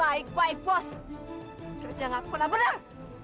baik baik bos kerja nggak pernah benar